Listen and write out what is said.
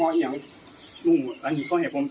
พระอยู่ที่ตะบนมไพรครับ